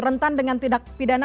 rentan dengan tidak pidana